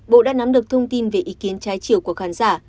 bộ đã nắm được thông tin về ý kiến trái chiều của khán giả